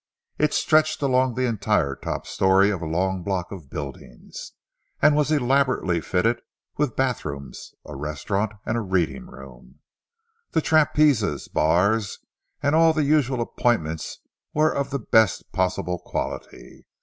It stretched along the entire top storey of a long block of buildings, and was elaborately fitted with bathrooms, a restaurant and a reading room. The trapezes, bars, and all the usual appointments were of the best possible quality.